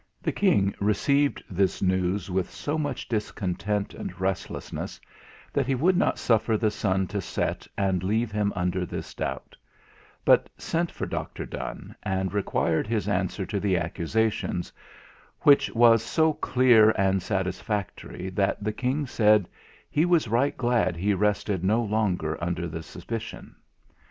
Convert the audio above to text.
The King received this news with so much discontent and restlessness that he would not suffer the sun to set and leave him under this doubt; but sent for Dr. Donne, and required his answer to the accusation; which was so clear and satisfactory that the King said, "he was right glad he rested no longer under the suspicion."